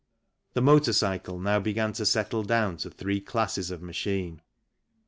The motor cycle now began to settle down to three classes of machine. 1.